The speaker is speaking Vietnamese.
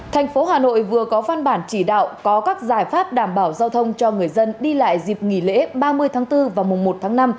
thành phố hà nội vừa có văn bản chỉ đạo có các giải pháp đảm bảo giao thông cho người dân đi lại dịp nghỉ lễ ba mươi tháng bốn và mùa một tháng năm